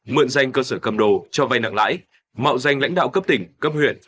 mượn danh cơ sở cầm đồ cho vai nặng lãi mạo danh lãnh đạo cấp tỉnh cấp huyện